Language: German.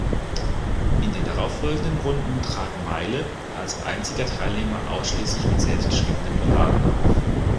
In den darauffolgenden Runden trat Meyle als einziger Teilnehmer ausschließlich mit selbstgeschriebenen Balladen auf.